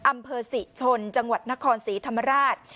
อำเภอศรีชนจังหวัดนครศรีธรรมราช